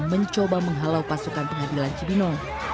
mencoba menghalau pasukan pengadilan cibinong